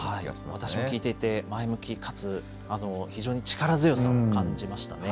私も聞いていて、前向きかつ非常に力強さを感じましたね。